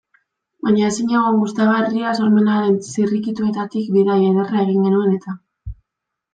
Baina ezinegon gustagarria, sormenaren zirrikituetatik bidaia ederra egin genuen eta.